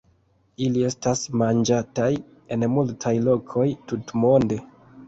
Ili estas manĝataj en multaj lokoj tutmonde.